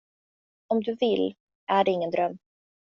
Om du vill, är det ingen dröm.